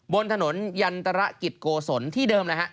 บนถนนยันตรกิจโกศลที่เดิมเลยฮะ